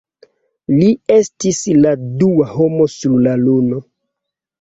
Li estis la dua homo sur la Luno.